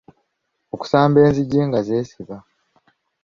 okusamba enzigi nga zeesiba